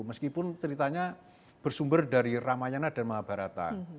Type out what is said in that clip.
meskipun ceritanya bersumber dari ramayana dan mahabharata